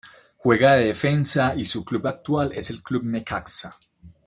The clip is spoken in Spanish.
Juega de Defensa y su club actual es el Club Necaxa